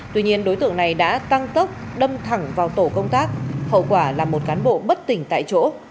tuy nhiên đối tượng này đã tăng tốc đâm thẳng vào tổ công tác hậu quả là một cán bộ bất tỉnh tại chỗ